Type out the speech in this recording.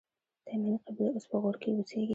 تایمني قبیله اوس په غور کښي اوسېږي.